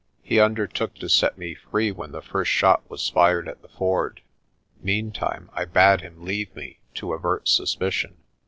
He undertook to set me free when the first shot was fired at the ford. Meantime I bade him leave me, to avert suspicion.